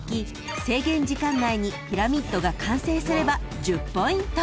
制限時間内にピラミッドが完成すれば１０ポイント］